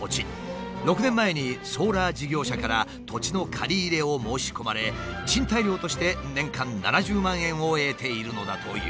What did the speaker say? ６年前にソーラー事業者から土地の借り入れを申し込まれ賃貸料として年間７０万円を得ているのだという。